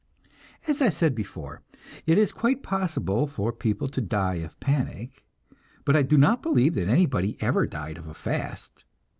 As I said before, it is quite possible for people to die of panic, but I do not believe that anybody ever died of a fast.